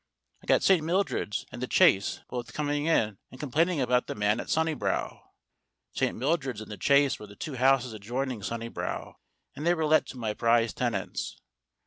I got St. Mildred's and The Chase both com ing in and complaining about the man at Sunnibrow. St. Mildred's and The Chase were the two houses ad joining Sunnibrow, and they were let to my prize tenants.